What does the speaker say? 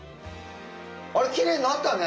あれきれいになったね！